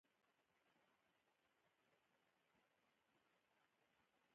تر شونډو يې وينې څڅيدې بيا يې هم خندا کوله.